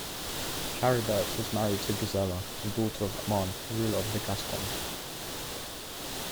Charibert was married to Gisela, the daughter of Amand, Ruler of the Gascons.